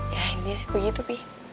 ya ini sih begitu sih